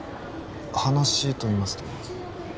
話といいますと？